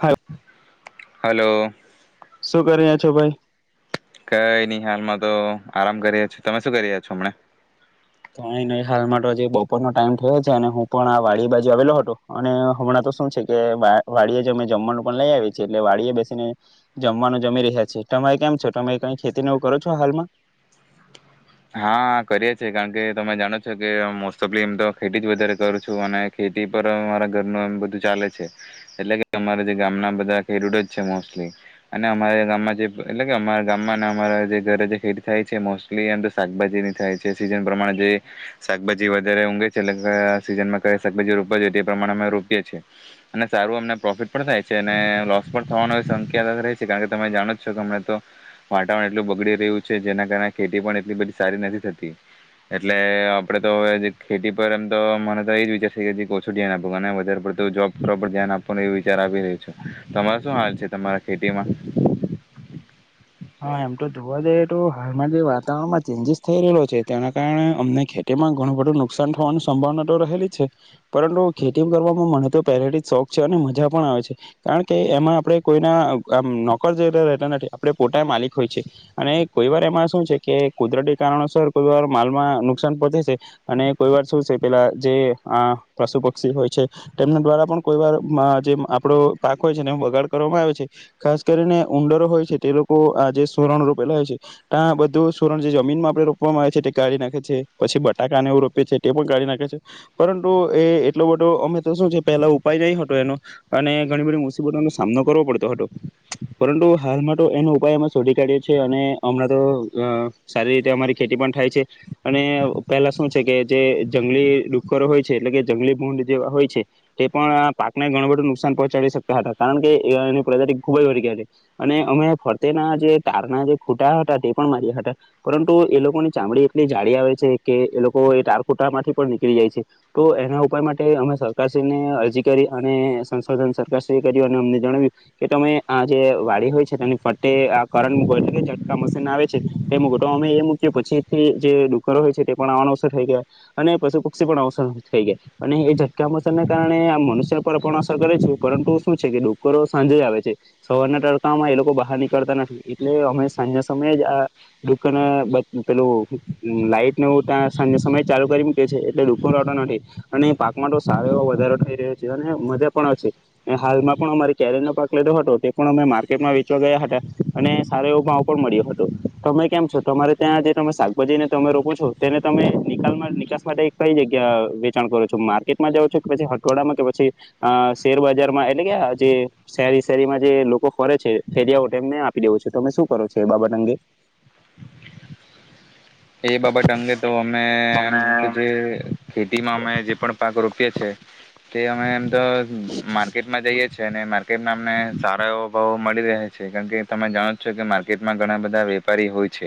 હા હલો શું કરી્યા છો ભાઈ કઈ નઈ હાલમાં તો આરામ કરીએ છ તમે શું કરી્યા છો હમણા તો હાલમાં તોજ બપોરનોો ટાઈમ થયો છે અને હું પણ આ વાડી બાજુ આવેલો હતો અને હમણાં તો શું છે કે વાડીએ જમે જમવાનું પણ લઈ આવી છે એટલે વાડીએ બેસીને જમવાનું જમી રહ્યા છે તમારે કેમ છો તમે કઈ ખેતીને એવું કરો છો હાલમાં હા કરીએ છેીએ કારણ કે તમે જાણો છો કે મોસ્ટફલી એમ તો ખેતી જ વધારે કરું છું અને ખેતી પર અરા ઘરનું એમ બધું ચાલે છે એટલે કે અમારા જે ગામના બધા ખેડૂતો જ છે મોસ્ટલી અને અમારા ગામમાં જે એટલે કે અમારા ગામમાં અને અમારા જે ઘરે જે ખેતી થાય છે મોસ્ટલી શાકભાજીની થાય છે સીઝન પ્રમાણે જે શાકભાજી વધારે ઊંઘે છે એટલે સીઝનમાં ક શાકભાજી રોપવા જોઈ એ પ્રમાણે અમે રોપીએ છીએ અને સારું અમને પ્રોફિટ પણ થાય છે અને લોસ પણ થવાનો શ રહે છે કારણ કે તમે જાણો જ છો કે અમને તો વાતાવરણ એટલું બગડી રહ્યું છે જેના કારણે ખેતી પણ એટલી બધી સારી નથી થતી એટલે આપડે તો હવે ખેતી પર એમ તો મને તો એજ વિચાર છે કે ઓછું ધ્યાન આપો અને વધારેડ જોબ ધ્યાન આપો એ વિચાર આપ રહ્યો છ તમારા શું હાલ છે તમારા ખેતીમાં હા એમ તો જોવા જઈએ તો હાલમાં જે વાતાવરણમાં ચેન્જીસ થઈ રહેલો છે તેના કારણે અમને ખેતીમાં ઘણું બધું નુકસાન થવાની સંભાવના તો રહેલી છે પરંતુ ખેતી કરવામાં મને તો પહેલેથી શોખ છે અને મજા પણ આવે છે કારણ કે એમાં આપણે કોઈના આ નોકર રહેતા નથી આપણે પોટા માલિક હોય છે અને કોઈ વાર એમાં શું છે કે કુદરતી કારણોસર કોઈ વાર માલમાં નુકસાન પહોંચે છે અને કોઈ વાર શું છે પેલા જે આ પશુ પક્ષી હોય છે તેમના દ્વારા પણ કોઈ વાર જે આપણો પાક હોય છેને એ બગાડ કરવામાં આવે છે ખાસ કરીને ઉઊંંદરો હોય છે તે સુણ રેલા હોય છે ત બધું સુરણ જે જમીનમાં આપણે રોપવામાં આવે છે તે કાઢી નાખે છે પછી બટાકાનેવ રોપીી છે તે પણ કાઢી નાખે છે પરંતુ એ એટલો બધો અમે તો શું છે પેલા ઉપાય જય હતો એનો અને ઘણી બધી મુસીબતો નો સામનો કરવો પડતો હતો પરંતુ હાલમાં તો એનો ઉપાય અમે શોધી કાઢ્યોી અને હમણાં તો સારી રીતે અમારી ખેતી પણ થાય છે અને પહેલા શું છે કે જે જંગલી ડુકરો હોય છે એટલે કે જંગલી ભૂંડ જે હોય છે તે પણ પાકને ઘણું બધું નુકસાન પહોંચાડી શકતા હતા કારણ કે એની પ્રજાતિ ખૂબ જ વર્ગ હતી અને અમે તેના જે તારના જે ખૂટા હતા તે પણ માર્યા હતા પરંતુ એ લોકોની ચામડી એટલી જાળી આવે છે કે એ લોકો એ તાર ખૂટામાંથી પણ નીકળી જાય છે તો એના ઉપાય માટે અમે સરકારશ્રીને અરજી કરી અને સંશોધન સરકારશ્રી કર્યું અને અમને જણાવ્યું કે તમે આ જે વાડી હોય છે તેની ટ ટકા મશન આવે છે તે મટ અમે એ મૂક પછીથી જે ડુકરો હોય છે તે પણ આવાનો અવસર થઈ ગયા અને પશુ પક્ષી પણ અવસર થઈ ગયા અને એ ટકા મશનને કારણે મનુષ્ય પર પણ અસર કરે છે પરંતુ શું છે કે ડુકરો સાંજે આવે છે સવારના તડકામાં એ લોકો નીકળતા નથી એટલે અમે સાંજે સમયે જ આ દુકને પેલું લાઈટ નું ત્યાં સાંજે સમય ચાલુ કરી મૂકી છે એટલે દુકો આવતો નથી અને પાકમાં તો સાર એ વધારો થઈ રહ્યો છે અને મજા પણ છે હાલમાં પણ અમારે કેરીયર નો પાક લીધો હતો તે પણ અમે માર્કેટમાં ગયા હતા અને સારો એવો ભાવ પણ મળ્યો હતો તમે કેમ છો તમારે ત્યાં જે તમે શાકભાજીને તમે રોકો છો તેને તમે નિકાલમાં નિકાસ માટે કઈ જગ્યા વેચાણ કરો છો માર્કેટમાં જાાવ છો કે પછી હટવાડામાં કે પછી શેરબજારમાં એટલે કે આ જે શેરી શેરીમાં જે લોકો ફરે છે ફેરી એમને આપી દેવો છ તો તમે શું કરો છો એ બાબત અંગે એ બાબત અંગે તો તમે અમેમ જે ખેતીમાં અમે જે પણ પાક રોપીએ છે તે અમે તો માર્કેટમાં જઈએ છે અનેને માર્કેટમાં અમને સારા એવો બઉ મળ રહે છે કાર તમે જાણો છો કે માર્કેટમાં ઘણા બધા વેપારી હોય છે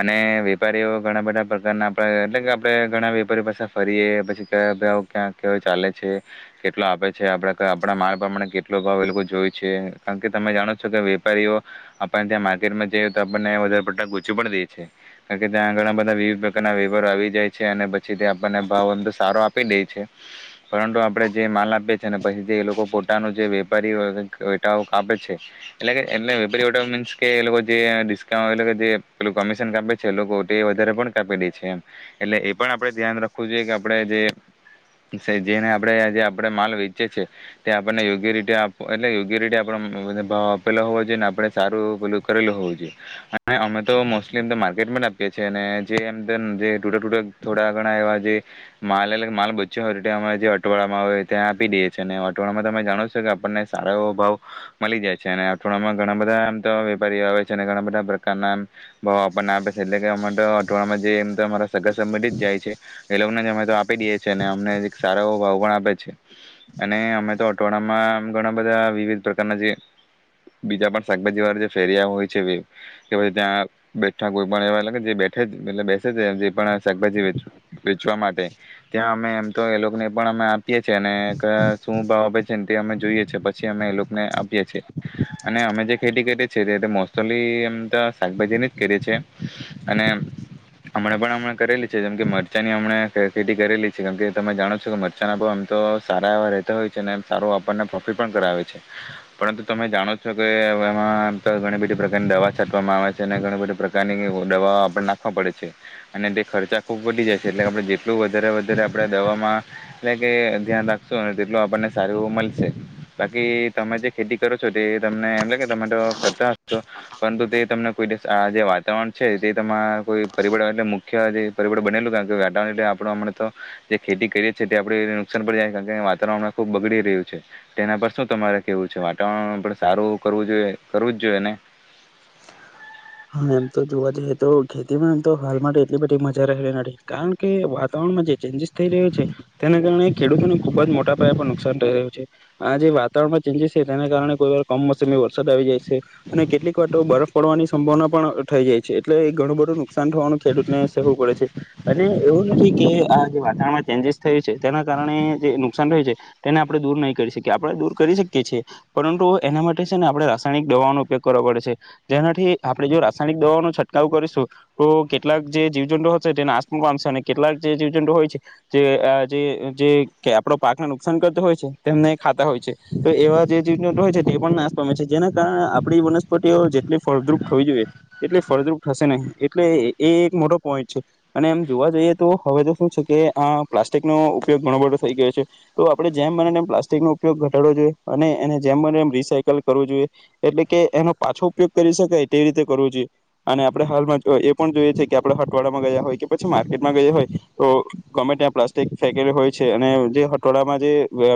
અને વેપારીઓ ઘણા બધા પ્રકારના આપણા એટલે કે આપણે ઘણા વેપારીઓ પાછ ફરીએ પછી કયા ભાવ ક્યાં કયો ચાલે છે કેટલો આપે છે આપ આપણા માળ પ્રમાણે કેટલો ભાવ એ લોકો જોય છે કારણ કે તમે જાણો છો કે વેપારીઓ આપણને ત્યાં માર્કેટમાં જઈ તો આપણને વધારે પડતા ગૂચી પણ દે છે કાર ત્યાં ઘણા બધા વિવિધ પ્રકારના વેપારો આવી જાય છે અને પછી તે આપણને ભાવ તો સારો આપી દે છે પરંતુ આપણે જે માલ આપીએ છી અને પછી જે એ લોકો પોતાનું જે વેપારી વટાઓ કાપે છે એટલે કે એટલે વેપારી વટા મીન્સ કે એ લોકો જે ડિસ્કાઉન્ટ એટલે કે જે પેલું કમિશન કાપે છે વધારે પણ કાપીે છે એમ એટલે એ પણ આપે ધ્યાન રાખવું જોઈએ કે આપણે જેને આપણેે જે આપણે માલ વેચેી તે આપણને યોગ્ય રીતે આપ એટલે યોગ્ય રીતે આપ ભાવ આપેલો હોવો જોઈએ ને આપણે સારું પેલું કરેલું હોવું જોઈએ અને અમે તો મોલી મટટ થોડા ઘણા એવા જે માલ માલ બચ્યો હોય જે અટવાડમાં આવેય ત્યાં આપી દેએ છ છે અને અટવાડ માં તમે જાણો છો કે આપણને સારા એવો ભાવ મળી જાય છે અને અઠવાડિયામાં ઘણા બધા આમ તો વેપારીઓ આવે છે અને ઘણા બધા પ્રકારનામ ભાવ આપણને આપ એટલે કે અમે તો અઠવાડમાં જેમ અ સગા સં જ જાય છે એ લોકોને જ અમે તો આપી દેએ છી અને અમને સારા ભાવ પણ આપે છે અને અમે તો અઠવાડામાં ઘણા બધા વિવિધ પ્રકારના જે બીજા પણ શાકભાજી વાળ જે ફેર્યા હોય છે કે પછ ત્યાં બેઠ પણ એવા લાગે જે બેઠે જ એટલે બેસે છે જે પણ શાકભાજી વેચવા માટે ત્યાં અમે એમ તો એ લોકોને પણ અમે આપીએ છીએ અને શું ભાવ આપે છે ને તે અમે જોઈએ છ છેએ પછી અમે એ લોકોને આપીએ છીએ અને અમે જે ખેતી કરીએ છીએ તે મોસ્ટલી એમ તો શાકભાજીને જ કરીએ છીએ અને હમણા પણ હમણા કરેલી છે જેમ કે મરચાંની હમણે ખે ખેતી કરેલી છે કેમકે તમે જાણો છો કે મરચાના ભાવ આમ તો સારા એવા રેતા હોય છે અને સારો વાપરને પ્રોફિટ પણ કરાવે છે પરંતુ તમે જાણો છો કે એમાંમ તો ઘણી બધી પ્રકારની દવા છાંટવામાં આવે છે અને ઘણી બધી કાર દવા આપડે નાખવા પડે છે અને તે ખર્ચા ફૂબ બડી જાય છે એટલે આપણે એટલું વધારે વધારે આપણે દવામાં એટલે કે ધ્યાન રાખશું તેટલું આપણને સારું મળશે બાકી તમે જે ખેતી કરો છો તે તમને એમ લ તમે તો કરતા હશો પરંતુ તે તમને કોઈ આ જે વાત વાતાવરણ છે તે તમારા કોઈ પરિબળ, એટલે મુખ્ય જે પરિબળ બનેલું કારણ કે વાટાવરણ એટલે, આપ હમણા તો જે ખેતી કરીએ છીએ તે આપ નુકસાન પડી જાય છે કારણ વાતાવરણ ખુબ બગડી રહ્યું છે તેના પર શું તમારે કેવું છે? વાતાવરણ પણ સારું કરવું જોઈએ, કરવું જ જોઈએ ને? હા, એમ તો જોવા જઈએ તો, ખેતીમાં એમ તો હાલમાં એટલી બધી મજા રહેલી નથી કારણ કે વાતાવરણમાં જે ચેન્જીસ થઈ રહ્યો છે તેના કારણે ખેડૂતોને ખુબ જ મોટા પાયા પર નુકસાન થઈ રહ્યું છે. આ જે વાતાવરણમાં ચેન્જસ છે તેના કારણે કોઈ વાર કમોસમી વરસાદ આવી જાય અને કેટલીક વાર બરફ પડવાની સંભાવના પણ થઈ જાય છે, એટલે એ ઘણું બધું નુકસાન થવાનું ખેડૂતને સહેવું પડે છે. અને એવું નથી કે આ જે વાતાવરણમાં ચેન્જીસ થયું છે, તેના કારણે જે નુકસાન થયુ છે, તેને આપણે દૂર નહીં કરી શકીએ, આપણે દૂર કરી શકીએ છીએ, પરંતુ એના માટે સે ને આપણે રાસાયણિક દવાનો ઉપયોગ કરવો પડે છે. જેનાથી આપણે જો રાસાયણિક દવાઓનો છંટકાવ કરીસુ, તો કેટલાક જે જીવજંટુઓ હસે તે નાશ પા પામશે અને કેટલાક જે જીવજંટુઓ હોય છે જે અ જે, જે આપણો પાકને નુકસાન કરતો હોય છે તેમને ખાતા હોય છે તો એવા જે જીવજંતુઓ હોય છે તે પણ નાશ પામે છે જેના કારણે આપણી વનસ્પ જેટલી ફળદ્રુપ થવી જોઈએ તેટલી ફળદ્રુપ થશે નહીએટલે એ એક મોટો પોઈન્ટ છે. અને એમ જોવા જઈએ તો હવે તો શું છે કે, આ પ્લાસ્ટિકનો ઉપયોગ ઘણો બધો થઈ ગયો છે, તો આપણે જેમ બનેમ પ્લાસ્ટિકનો ઉપયોગ ઘટાડવો જોઈએ, અને એને જેમ બને એમ રીસાયકલ કરવો જોઈએ. એટલે કે એનો પાછો ઉપયોગ કરી શકાય તે રીતે કરવો જોઈએ. અને આપણે હાલમાં એ પણ જોઈએ છે કે, આપણે હટવાડામાં ગયા હોય કે પછી માર્કેટમાં ગયા હોય તો ગમે ત્યાં પ્લાસ્ટિક ફેકેલી હોય છે અને જે હટવાડામાં જે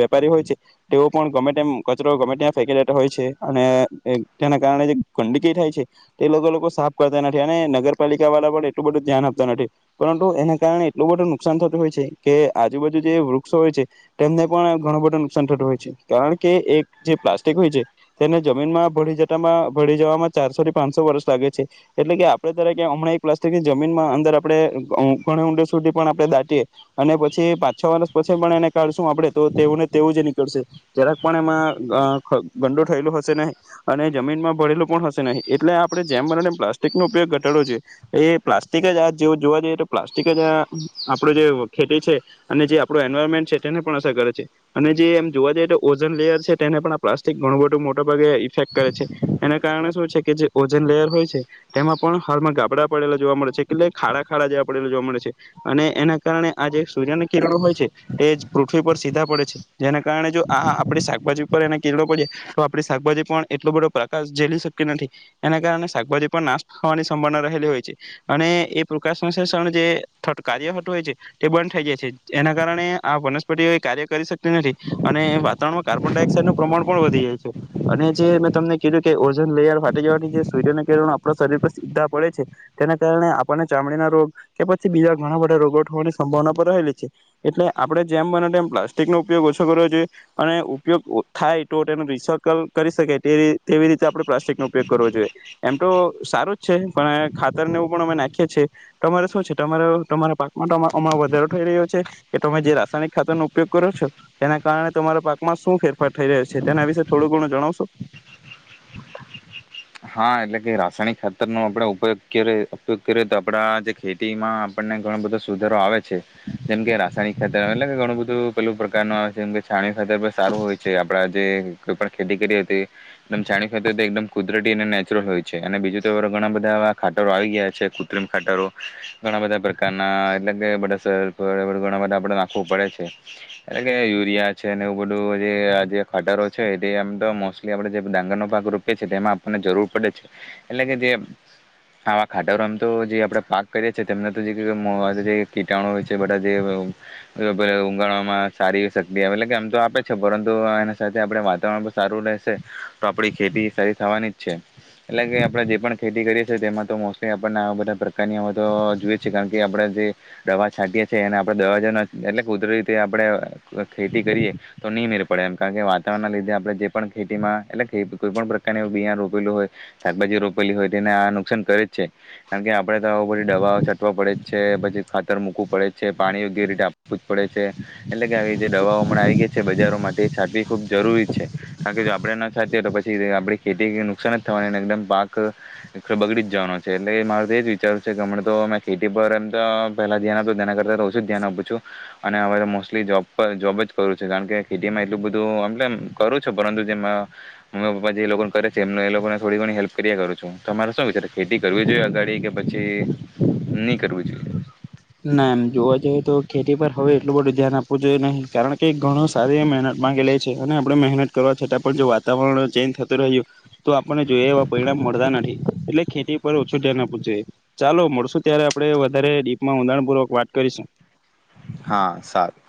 વેપારી હોય છે તેઓ પણ ગમે ટેમ કચરો ગમે ટયા ફેકી દેતા હોય છે અને તેના કારણે જે ગંડકી થાય છે તે લોકો, લોકો સાફ કરતા નથી અને નગરપાલિકા વાળા પણ એટલું બધું ધ્યાન આપતા નથી. પરંતુ એના કારણે એટલું બધું નુકસાન થતું હોય છે કે, આજુબાજુ જે વૃક્ષો હોય છે ટેમને પણ ઘણું બધું નુકસાન થટુ હોય છે, કારણ કે એક જે પ્લાસ્ટિક હોય છે તેને જમીનમાં ભળી જ તમાં ભળી જવામાં ચારસો થી પાંચસો વર્ષ લાગે છે. એટલે કે આપણે તરેકે હમણાં એક પ્લાસ્ટિકની જમીનમાં અંદર આપણેે ઘણા ઊંડે સુધી પણ આપણે દાટીએ અને પછી પાંચ છ વર્ષ પછી પણ એને કાઢશું આપણે તો તેને તેવું જ નીકળશે જરાક પણ આમાં ગંડો થયેલો હશે નહી. અને જમીનમાં ભડેલું પણ હશે નહીં. એટલે આપણે જેમ બનને એમ પ્લાસ્ટિકનો ઉપયોગ ઘટાડો જોઈએ. એ પ્લાસ્ટિક જ આ જેવ જોવા જઈએ તો પ્લાસ્ટિક જ આ આપણો જે ખેતી છે અને જે આપણો એન્વાયરમેન્ટ છે તેને પણ અસર કરે છે અને જે એમ જોવા જઈએ તો ઓઝન લેયર છે તેને પણ આ પ્લાસ્ટિક ઘણું બધું મોટાભાગે ઇફેક્ટ કરે છે એના કારણે શું છે કે જે ઓજન લેયર હોય છે તેમાં પણ હલમાં ગાબડા પડેલા જોવા મળે છે કેટલે ખાડા ખાડા જેવા પડેલા જોવા મળે છે અને એના કારણે આ જે સૂર્યને કિરણો હોય છે એજ પૃથ્વી પર સીધા પડે છે જેના કારણે જો આ આ આપડી શાકભાજી પર એને કિરણો પડ્યા તો આપણી શાકભાજી પણ એટલો બઢો પ્રકાસ ઝેલી સકતી નઠી. એના કારણે સાકભાજી પણ નાસ થવાની સંભાવના રહેલી હોય છે, અને એ પ્રકાશસંશ્લેષણ જે, થત કાર્ય હટુ એ જે, બંધ થઈ જાય છે. એના કારણે આ વનસ્પટી કાર્ય કરી શકટી નથી, અને વાતાવરણમાં કાર્બન ડાયોક્સાઇડનું પ્રમાણ પણ વધી જાય છે અને જે મેં તમને કીધું કે ઓઝન લેયર ફાટી જવાથી જે સૂર્યના કરણો આપણા શરીર પર સીધા પડે છે, તેના કારણે આપણને ચામડીના રોગ કે પછી બીજા ઘણા બધા રોગો થવાની સંભાવના પણ રહેલી છે. એટલે આપણે જેમ બને તેમ પ્લાસ્ટિકનો ઉપયોગ ઓછો કરવો જોઈએ અણે ઉપયોગ ઓ થાય તો તેનું રિસકલ કરી શકાય ટે રી તેવી રીતે આપણે પ્લાસ્ટિક ન ઉપયોગ કરવો જોઈએ એમ તો સારું જ છે, પણ ખાતર ને એવું પણ અમે નાખીએ છે, તમારે સુ છે? તમારો, તમારા, પાકમાં, અમા વધારો થઈ રહ્યો છે કે તમે જે રાસાયણિક ખાતરનો ઉપયોગ કરો છો, તેના કારણે તમારા પાકમાં સુ ફેરફાર થઈ રહ્યો છે તેના વિશે થોડું ઘણું જણાવસો? હા, એટલે કે રાસાયણિક ખાતરનો આપડે ઉપયોગ કેરે, ઉપયોગ કરીએ તો આપડા જે ખેતીમાં આપણને ઘણો બધો સુધારો આવે છે, જેમકે રાસાયણિક ખાતર, એટલે કે ઘણું બધું પેલું પ્રકાર નું આવે છે જેમ કે છાણી [unintelligible] સારું હોય છે આપડડા તે તો પણ ખેતી કરી હો હતી એકદમ છાણીયું ખાતર તો એકદમ કુદર કુદરટી ને નેચરલ હોય છે એમ બીજું તો ઘણા બધા ખાટરો આવી ગયા છે, કૃત્રિમ ખાટરો ઘણા બધા પ્રકારના, એટલે કે બધા સરપર એ બધું, ઘણા બધા આપડ નાખવું પડે છે. એટલે યુરિયા છે અને એવું બધું જે આ જે ખાટરો છે, તે એમ તો મોસ્ટલી આપણે જે ડાંગરનો પાક રોપે છે તેમાં જરૂર પડે છે. એટલે કે જે આવા ખાટરો, આમ તો જે આપણે પાક કરીએ છે, તેમને તો જે કી જે મોગ જે કીટાણુ હોય છે, બધા જે ઉંગડામાં સારી સક્તિ આવે એટલે કે આમ તો, આપે છે પરંતુ આ એના સાથે આપણે વાતાવરણ પણ સારું રહેસે તો આપડી ખેતી સારી થવાની છે, એટલે કે આપણે જે પણ ખેતી કરીએ છીએ તેમાં તો મોસ્ટલી આપણને આ બધા પ્રકારની અમે તો જોઈએ છે, કારણ કે આપણે જે દવા છાંટીએ છે, એને આપણે દવા છે ને એટલે કુદરતી આપણે ખેતી કરીએ તો નહીં મેર પડે એમ, કારણ કે વાતાવરણના લીધે, આપણે જે પણ ખેતીમાં, એટલે કોઈ પણ પ્રકારની બિયાં રોપ હોય, શાકભાજી રોપેલી હોય, તેને આ નુકસાન કરે જ છે. કારણ કે આપડે તો ઉપરથી દવાઓ છટવા પડે જ છે, પછી ખાતર મુકવું પડે જ છે, પાણી યોગ્ય રીતે આપવું જ પડે છે, એટલે કે આવી જે દવાઓ હમણાં આવી ગઈ છે બજારોમાં, માટે છાટવી ખૂબ જરૂરી જ છે. કારણ કે જો આપડણે ન છાંટીએ તો પછી આપડી ખેતી ને નુ નુકસાન જ થવાની, એકદમ પાક બગડી જ જવાનો છે, એટલે મારે તો એ જ વિચાર છે કે હમણાં તો મે ખેતી પર, એમ તો પહેલા ધ્યાન આપું, તેના કરતા ઓછું જ ધ્યાન આપું છું, અને હવે તો, મોસ્ટલી જોબ પર જોબ જ કરું છું, કારણ કે ખેતીમાં એટલું બધું, એટલે એમ કરું છું, પરંતુ જે મ મમ્મી પપ્પા જે લોકો કરે છે તેમને એ લોકોને થોડી ઘણી હેલ્પ કર્યા કરું છું, તમારે સુ વિચાર ખેતી કરવી જોઈએ અગાડી, કે પછી ની કરવી જોઈએ? ના, એમ જોવા જઈએ, તો ખેતી પર હવે એટલું બધું ધ્યાન આપવું જોઈએ નહી. કારણ કે ઘણું સારી એ મહેનત માંગી લે છ અને આપણે મહેનત કરવા છતાં પણ જો વાતાવરણ ચેન્જ થતું રહ્યું તો આપણને જોએ એવા પરિણામ મળતા નથી. એટલે ખેતી પર ઓછું ધ્યાન આપવું જોઈએ, ચાલો મળસુ ત્યારે આપણે વધારે માં ઉંડાણપૂર્વક વાત કરીસુ. હા, સારૂ.